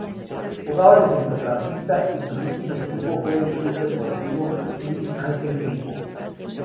Jugaba de centrocampista y su último equipo fue Club Deportivo Luis Ángel Firpo.